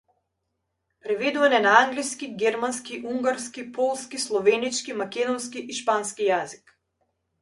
Преведуван е на англиски, германски, унгарски, полски, словенечки, македонски и шпански јазик.